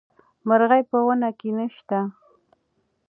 مرغۍ په ونه کې نه شته.